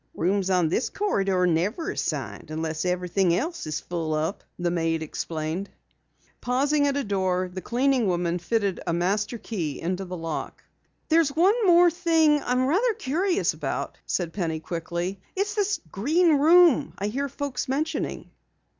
"Rooms on this corridor are never assigned unless everything else is full up," the maid explained. Pausing at a door, the cleaning woman fitted a master key into the lock. "There's one thing more I'm rather curious about," said Penny quickly. "It's this Green Room I hear folks mentioning."